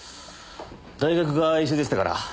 大学が一緒でしたから。